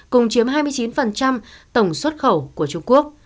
cùng chiếm hai mươi chín tổng xuất khẩu của trung quốc